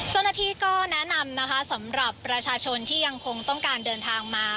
เจ้าหน้าที่ก็แนะนำนะคะสำหรับประชาชนที่ยังคงต้องการเดินทางมา